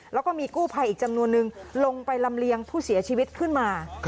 แล้วก็มีกู้ภัยอีกจำนวนนึงลงไปลำเลียงผู้เสียชีวิตขึ้นมา